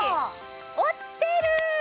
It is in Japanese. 落ちてる！